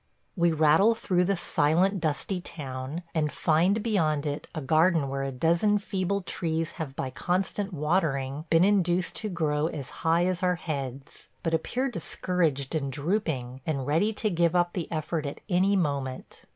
We rattle through the silent, dusty town and find beyond it a garden where a dozen feeble trees have by constant watering been induced to grow as high as our heads, but appear discouraged and drooping and ready to give up the effort at any moment.